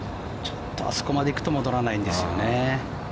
あそこまで行くと戻らないんですよね。